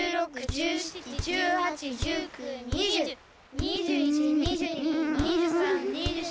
２１２２２３２４。